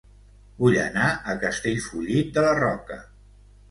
Vull anar a Castellfollit de la Roca